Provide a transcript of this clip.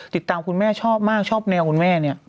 คุณแม่ชอบมากชอบแนวคุณแม่เนี่ย